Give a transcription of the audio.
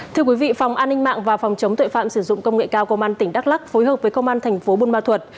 thưa quý vị phòng an ninh mạng và phòng chống tội phạm sử dụng công nghệ cao công an tỉnh đắk lắc phối hợp với công an thành phố buôn ma thuật